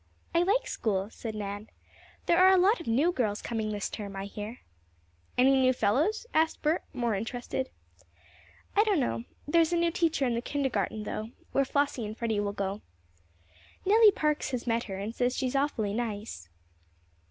"I like school," said Nan. "There are lot of new girls coming this term, I hear." "Any new fellows?" asked Bert, more interested. "I don't know. There is a new teacher in the kindergarten, though, where Flossie and Freddie will go. Nellie Parks has met her, and says she's awfully nice."